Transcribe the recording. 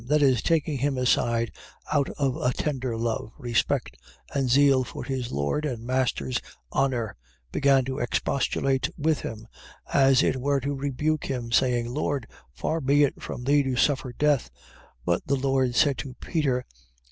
. .That is, taking him aside, out of a tender love, respect and zeal for his Lord and Master's honour, began to expostulate with him, as it were to rebuke him, saying, Lord, far be it from thee to suffer death; but the Lord said to Peter, ver.